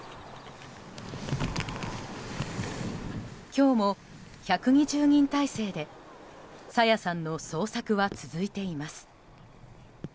今日も、１２０人態勢で朝芽さんの捜索は続いています。